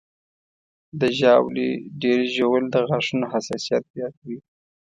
د ژاولې ډېر ژوول د غاښونو حساسیت زیاتوي.